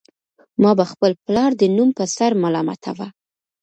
ما به خپل پلار د نوم په سر ملامتاوه